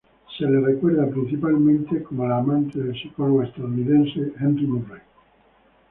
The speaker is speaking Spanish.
Es principalmente recordada como la amante del psicólogo estadounidense Henry Murray.